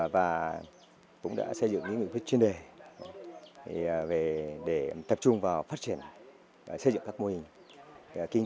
và cũng đã xây dựng những nghị quyết chuyên đề để tập trung vào phát triển xây dựng các mô hình kinh doanh